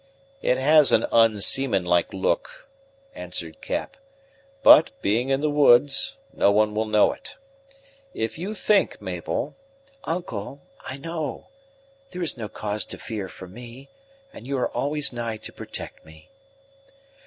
"It has an unseaman like look," answered Cap; "but, being in the woods, no one will know it. If you think, Mabel " "Uncle, I know. There is no cause to fear for me; and you are always nigh to protect me."